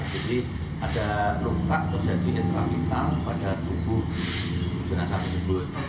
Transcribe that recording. jadi ada luka yang terjadi intrapita pada tubuh jenazah tersebut